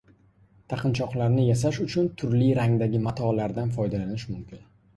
Taqinchoqlarni yasash uchun turli rangdagi matolardan foydalanish mumkin